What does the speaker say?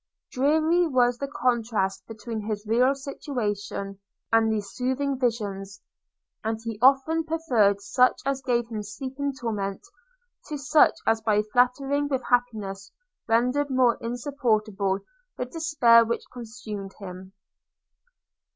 Dreary was the contrast between his real situation and these soothing visions; and he often preferred such as gave him sleeping torment, to such as by flattering with happiness rendered more insupportable the despair which consumed him.